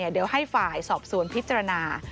เดี๋ยวให้ฝ่ายสอบสวนพิจารณา